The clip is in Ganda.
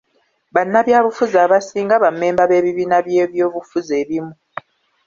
Bannabyabufuzi abasinga ba mmemba b'ebibiina by'ebyobufuzi ebimu.